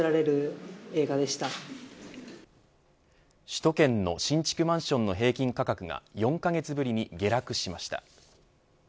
首都圏の新築マンションの平均価格が４カ月ぶりに下落しました。